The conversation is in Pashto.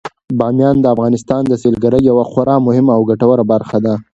بامیان د افغانستان د سیلګرۍ یوه خورا مهمه او ګټوره برخه ده.